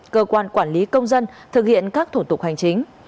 cơ quan quản lý công dân thực hiện các thủ tục hành chính